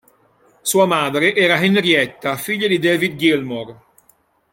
Sua madre era Henrietta, figlia di David Gilmour.